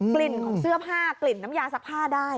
กลิ่นของเสื้อผ้ากลิ่นน้ำยาซักผ้าได้